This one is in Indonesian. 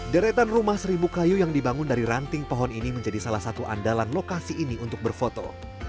deretan rumah seribu kayu yang dibangun dari ranting pohon ini menjadi salah satu andalan lokasi ini untuk berfoto